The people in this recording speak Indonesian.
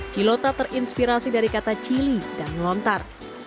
cilota terinspirasi dari kata cili dan lontar